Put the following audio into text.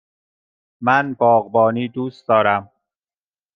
من باغبانی دوست دارم.